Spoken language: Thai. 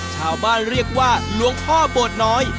ชาวบ้านเรียกว่าหลวงพ่อโบสถน้อย